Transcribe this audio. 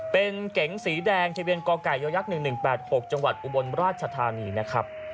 เป็นเก๋งสีแดงทะเบียนกไก่ย๑๑๘๖จังหวัดอุบลราชธานีนะครับ